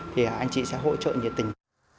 thì anh chị sẽ hỗ trợ nhiệt tình